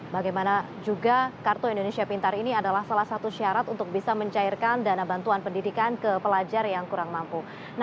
bagaimana juga kartu indonesia pintar ini adalah salah satu syarat untuk bisa mencairkan dana bantuan pendidikan ke pelajar yang kurang mampu